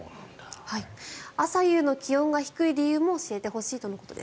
朝夕の気温が低い理由も教えてほしいとのことです。